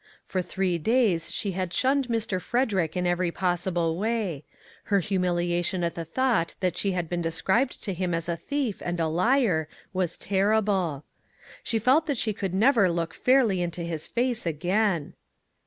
For three days she had shunned Mr. Frederick in every 90 "A CRUMB OF COMFORT" possible way; her humiliation at the thought that she had been described to him as a thief and a liar was terrible. She felt that she could never look fairly into his face again.